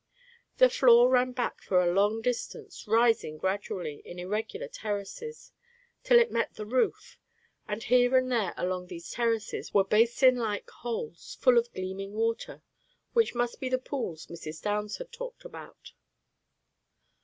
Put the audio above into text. The floor ran back for a long distance, rising gradually, in irregular terraces, till it met the roof; and here and there along these terraces were basin like holes full of gleaming water, which must be the pools Mrs. Downs had talked about.